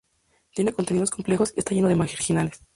Tiene contenidos complejos y está lleno de marginales.